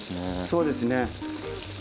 そうですね。